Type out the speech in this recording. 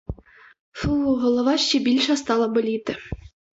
Фу, голова ще більше стала боліти.